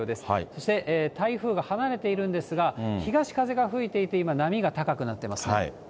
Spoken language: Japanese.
そして台風が離れているんですが、東風が吹いていて、今、波が高くなっていますね。